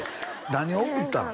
何を送ったん？